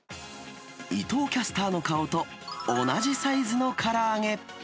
伊藤キャスターの顔と同じサイズのから揚げ。